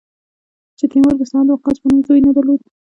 چې تیمور د سعد وقاص په نوم زوی نه درلود.